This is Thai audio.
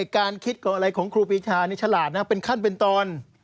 การคิดของอะไรของครูปีชานี่ฉลาดนะเป็นขั้นเป็นตอน